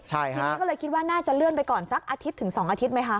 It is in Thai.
ทีนี้ก็เลยคิดว่าน่าจะเลื่อนไปก่อนสักอาทิตย์ถึง๒อาทิตย์ไหมคะ